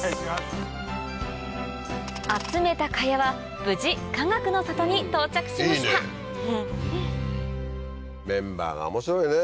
集めた茅は無事かがくの里に到着しましたメンバーが面白いね。